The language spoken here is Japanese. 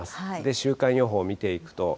週間予報見ていくと。